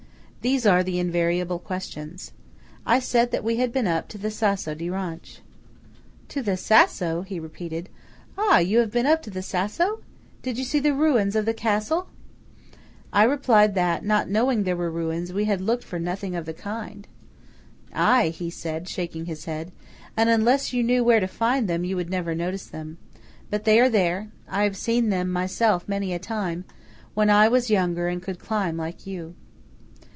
These are the invariable questions. I said that we had been up to the Sasso di Ronch. "To the Sasso!" he repeated. "Ah, you have been up to the Sasso! Did you see the ruins of the Castle?" I replied that, not knowing there were ruins, we had looked for nothing of the kind. "Aye," he said, shaking his head," and unless you knew where to find them, you would never notice them. But they are there. I have seen them myself many a time, when 1 was younger and could climb like you."